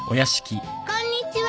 こんにちは！